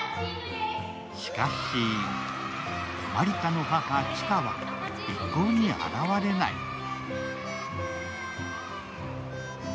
しかし、万理華の母、千嘉は一向に現れない。